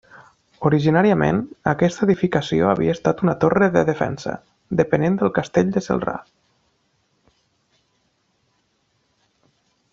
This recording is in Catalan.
Originàriament, aquesta edificació havia estat una torre de defensa, depenent del castell de Celrà.